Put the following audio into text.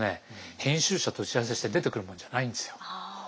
編集者と打ち合わせして出てくるもんじゃないんですよ。